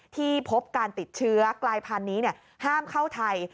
ที่พบการติดเชื้อกลายพันธุ์นี้ห้ามเข้าไทย